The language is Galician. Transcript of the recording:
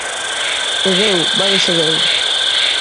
E deu, vaia se deu.